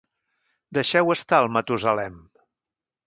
Deixeu estar el Matusalem!